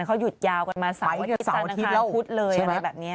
เขาหยุดยาวกันมาเสาร์อาทิตย์สันทางพุธเลยอะไรแบบนี้